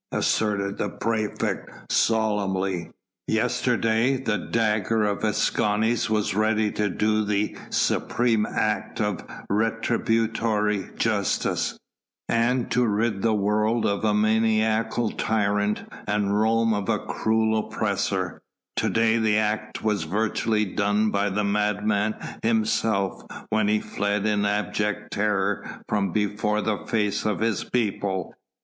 asserted the praefect solemnly. "Yesterday the dagger of Escanes was ready to do the supreme act of retributory justice, and to rid the world of a maniacal tyrant and Rome of a cruel oppressor; to day the act was virtually done by the madman himself when he fled in abject terror from before the face of his people."